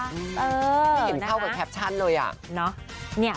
ไม่เห็นเข้ากับแคปชั่นเลย